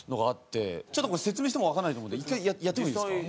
ちょっとこれ説明してもわかんないと思うんで１回やってもいいですか？